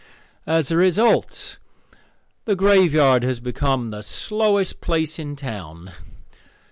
As a result, the graveyard has become the slowest place in town.